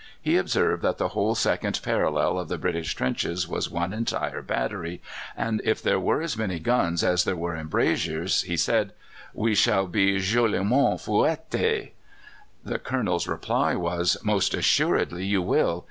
He observed that the whole second parallel of the British trenches was one entire battery, and if there were as many guns as there were embrasures, he said, "we shall be joliment fouettés." The Colonel's reply was: "Most assuredly you will.